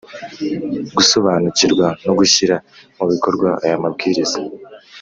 Gusobanukirwa no gushyira mu bikorwa aya mabwiriza